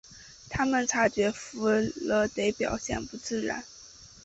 他们察觉弗雷德表现不自然。